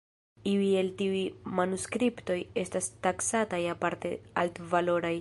Iuj el tiuj manuskriptoj estas taksataj aparte altvaloraj.